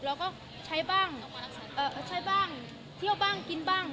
เราก็ใช้บ้างเที่ยวบ้างกินบ้าง